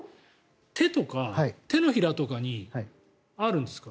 手とか手のひらとかにあるんですか？